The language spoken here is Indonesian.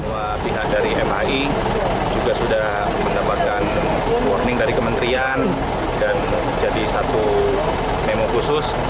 bahwa pihak dari mhi juga sudah mendapatkan warning dari kementerian dan jadi satu memo khusus